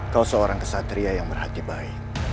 kau seorang kesatria yang berhati baik